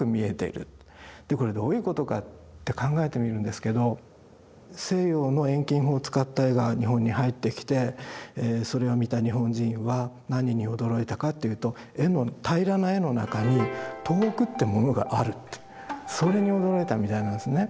でこれどういうことかって考えてみるんですけど西洋の遠近法を使った絵が日本に入ってきてそれを見た日本人は何に驚いたかっていうと絵の平らな絵の中に遠くってものがあるそれに驚いたみたいなんですね。